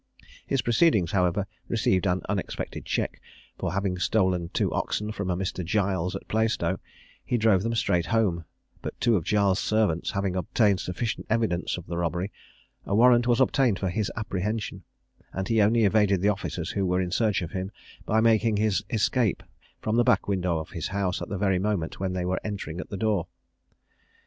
His proceedings, however, received an unexpected check; for having stolen two oxen from a Mr. Giles at Plaistow, he drove them straight home; but two of Giles' servants having obtained sufficient evidence of the robbery, a warrant was obtained for his apprehension, and he only evaded the officers who were in search of him, by making his escape from the back window of his house at the very moment when they were entering at the door.